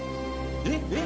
えっえっ？